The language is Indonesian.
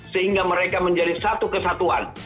sehingga mereka menjadi satu kesatuan